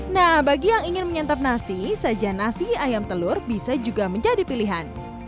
nah bagi yang ingin menyantap nasi sajian nasi ayam telur bisa juga menjadi pilihan